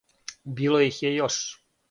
Било их је још?